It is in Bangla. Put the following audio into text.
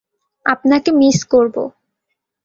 আপনাকে মিস করব।